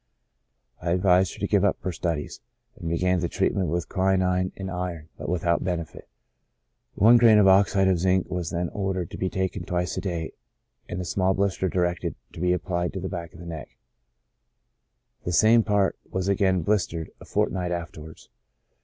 I advised her to give up her studies, and began the treatment with quinine and iron, but without benefit ; one grain of oxide of zinc was then ordered to be taken twice a day, and a small bhster directed to be applied to the back of the neck; the same part was again blistered a fortnight afterwards.